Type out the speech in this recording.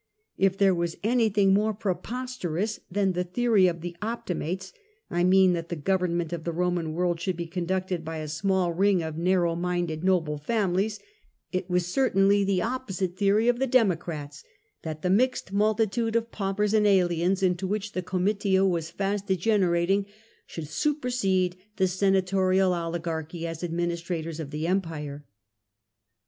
If there was anything more preposterous than the theory of the Optimates (I moan that the government of the Roman world should be conducted by a small ring of narrow minded noble families), it was certainly the 4 LATER DAYS OF THE ROMAN REPUBLIC opposite theory of the Democrats — that the mixed multi tude of paupers and aliens into which the Comitia was fast degenerating, should supersede the senatorial oligarchy as administrators of the Empire.